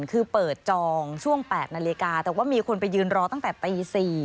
คือเปิดจองช่วง๘นาฬิกาแต่ว่ามีคนไปยืนรอตั้งแต่ตี๔